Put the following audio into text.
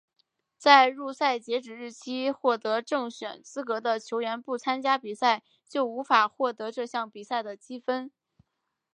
在入赛截止日期获得正选资格的球员不参加比赛就无法获得这项比赛的积分。